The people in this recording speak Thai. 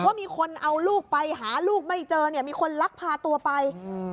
ว่ามีคนเอาลูกไปหาลูกไม่เจอเนี่ยมีคนลักพาตัวไปอืม